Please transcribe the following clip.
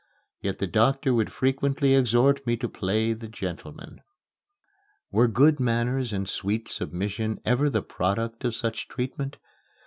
Yet the doctor would frequently exhort me to play the gentleman. Were good manners and sweet submission ever the product of such treatment?